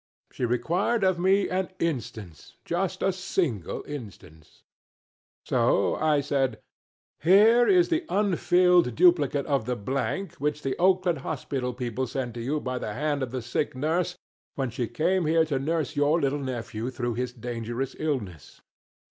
She required of me an instance just a single instance. So I said "Well, here is the unfilled duplicate of the blank, which the Oakland hospital people sent to you by the hand of the sick nurse when she came here to nurse your little nephew through his dangerous illness.